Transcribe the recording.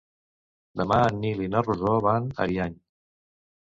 Demà en Nil i na Rosó van a Ariany.